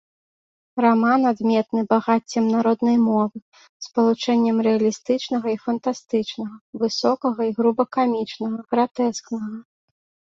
Раман адметны багаццем народнай мовы, спалучэннем рэалістычнага і фантастычнага, высокага і груба камічнага, гратэскнага.